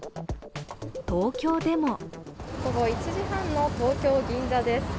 東京でも午後１時半の東京・銀座です。